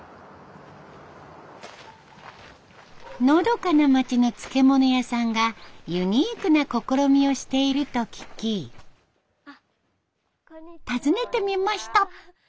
のどかな町の漬物屋さんがユニークな試みをしていると聞き訪ねてみました。